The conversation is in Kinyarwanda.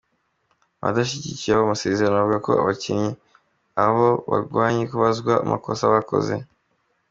Yakomeje agira ati “Ishoramari risaba ibigo by’imari byizewe bitanga inguzanyo ku nyungu igereranyije.